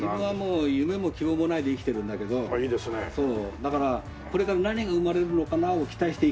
だからこれから何が生まれるのかなを期待して生きてます。